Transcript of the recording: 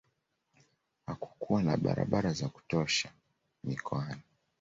hakukuwa na barabara za kutosha mikoani